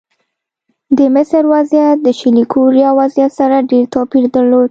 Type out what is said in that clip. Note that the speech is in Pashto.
د مصر وضعیت د شلي کوریا وضعیت سره ډېر توپیر درلود.